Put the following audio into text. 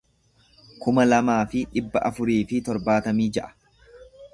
kuma lamaa fi dhibba afurii fi torbaatamii ja'a